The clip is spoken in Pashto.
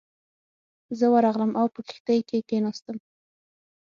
زه ورغلم او په کښتۍ کې کېناستم.